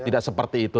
tidak seperti itu